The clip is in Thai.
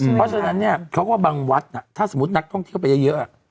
เพราะฉะนั้นเนี่ยเขาก็บางวัดถ้าสมมุตินักท่องเที่ยวไปเยอะ